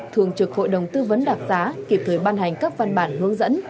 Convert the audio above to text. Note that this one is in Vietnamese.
thưởng trực hội đồng tư vấn đặc sá kịp thời bàn hành các văn bản hướng dẫn